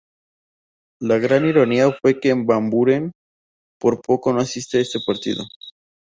La gran ironía fue que Van Buren por poco no asiste a ese partido.